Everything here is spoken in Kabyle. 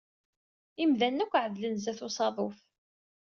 Imdanen akk ɛedlen sdat usaḍuf.